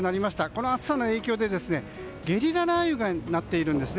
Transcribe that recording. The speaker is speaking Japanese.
この暑さの影響でゲリラ雷雨になっています。